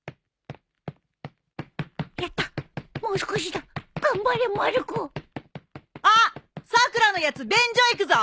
やったもう少しだ頑張れまる子あっさくらのやつ便所行くぞ。